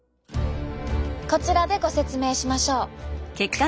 こちらでご説明しましょう。